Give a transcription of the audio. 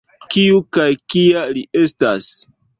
Kiu kaj kia li estas?